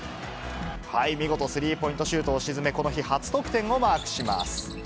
はい、見事スリーポイントシュートを沈め、この日、初得点をマークします。